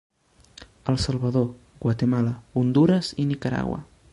El Salvador, Guatemala, Hondures i Nicaragua.